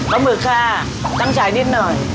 กะหมือกค่ะตั้งใจนิดหน่อย